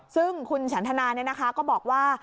ซึ่งคุณฉันทนาก็บอกว่า